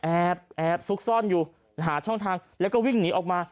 แอบซุกซ่อนอยู่หาช่องทางแล้วก็วิ่งหนีออกมา